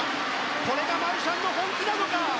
これがマルシャンの本気なのか！